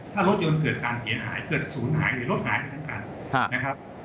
ถ้ารถยนต์เกิดการเสียหายเกิดศูนย์หายหรือรถหายไปทั้งคันนะครับ